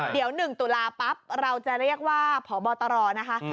เดี๋ยว๑ตุลาปั๊บเราจะเรียกว่าพบตรนะคะ